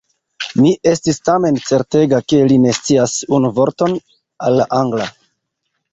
Mi estis tamen certega, ke li ne scias unu vorton el la Angla.